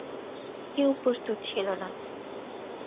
কেউ প্রস্তুত ছিল না।